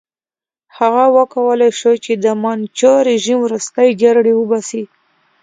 هغه وکولای شو چې د منچو رژیم ورستۍ جرړې وباسي.